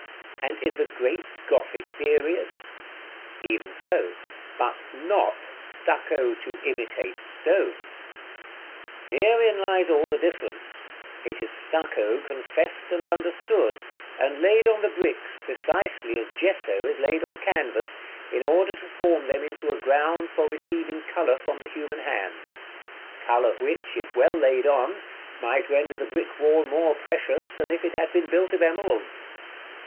and in the great Gothic period? Even so, but not stucco to imitate stone. Herein lies all the difference; it is stucco confessed and understood, and laid on the bricks precisely as gesso is laid on canvas, in order to form them into a ground for receiving color from the human hand, color which, if well laid on, might render the brick wall more precious than if it had been built of emeralds.